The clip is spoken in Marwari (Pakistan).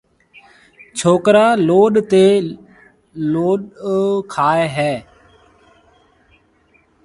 ڇوڪرا لوڏ تي لوڏ کائي هيَ۔